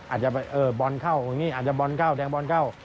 อาจจะบอลเข้าอย่างนี้อาจจะบอลเข้าแดงบอลเข้า